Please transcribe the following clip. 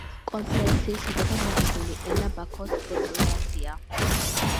კონფერენციის შედეგად მიღებულ იქნა „ბაქოს დეკლარაცია“.